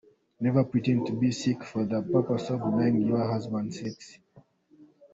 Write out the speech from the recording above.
Never pretend to be sick for the purpose of denying your husband sex.